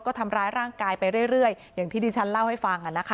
ก็ทำร้ายร่างกายไปเรื่อยอย่างที่ดิฉันเล่าให้ฟัง